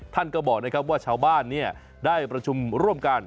ท่านก็บอกนะครับว่าชาวบ้านได้ประชุมร่วมกัน